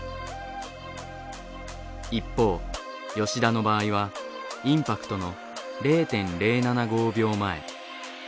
一方吉田の場合はインパクトの０．０７５秒前。